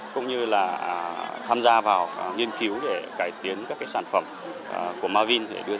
cũng như tham gia vào nghiên cứu để cải tiến các sản phẩm của mavin